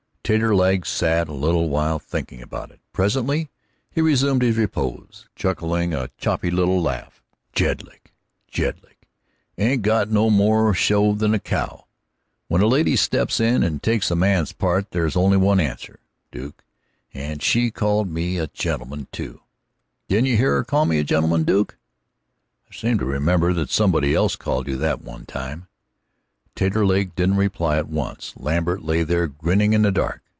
Taterleg sat a little while thinking about it. Presently he resumed his repose, chuckling a choppy little laugh. "Jedlick! Jedlick ain't got no more show than a cow. When a lady steps in and takes a man's part there's only one answer, Duke. And she called me a gentleman, too. Didn't you hear her call me a gentleman, Duke?" "I seem to remember that somebody else called you that one time." Taterleg hadn't any reply at once. Lambert lay there grinning in the dark.